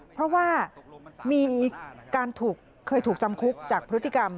เพราะว่ามีการเคยถูกจำคุกจากพฤติกรรม